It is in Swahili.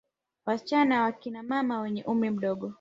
Wasichana na kina mama wenye umri mdogo